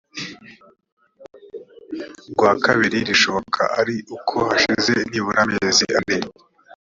rwa kabiri rishoboka ari uko hashize nibura amezi ane